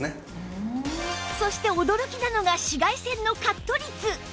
そして驚きなのが紫外線のカット率